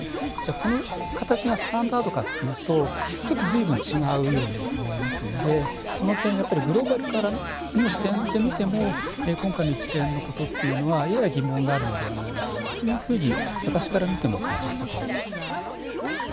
この形がスタンダードかというとちょっと随分違うようにも思えますのでその点、グローバルからの視点で見ても今回の一連のことというのはやや疑問があるのではないのかなというふうに私から見ても感じるところです。